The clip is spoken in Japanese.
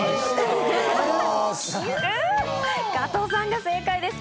加藤さんが正解です。